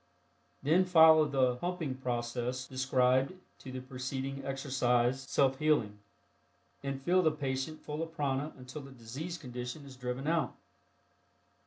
Then follow the "pumping" process described to the preceding exercise (Self Healing) and fill the patient full of prana until the diseased condition is driven out.